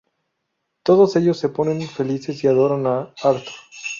Todos ellos se ponen felices y adoran a Arthur.